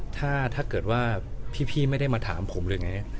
ถ้าเกิดว่าพี่ไม่ได้มาถามผมอะไรอย่างนี้